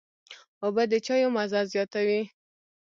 اوبه د چايو مزه زیاتوي.